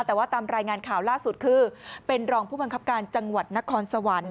แต่ว่าตามรายงานข่าวล่าสุดคือเป็นรองผู้บังคับการจังหวัดนครสวรรค์